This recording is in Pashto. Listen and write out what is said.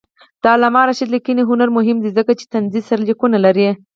د علامه رشاد لیکنی هنر مهم دی ځکه چې طنزي سرلیکونه لري.